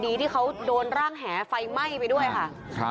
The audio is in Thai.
ที่เขาเข้าโดนร่างแห้ไฟไหม้ไปด้วยค่ะ